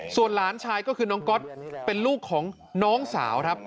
ส่วนหลานชายก็คือน้องก๊อตเป็นลูกของน้องสาวครับ